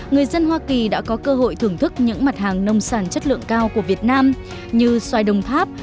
người dân hoa kỳ đã có cơ hội thưởng thức những mặt hàng nông sản chất lượng cao của việt nam như xoài đồng tháp